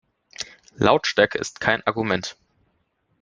Lautstärke ist kein Argument.